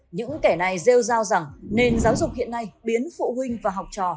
những kẻ này rêu rao rằng nền giáo dục hiện nay biến phụ huynh và học trò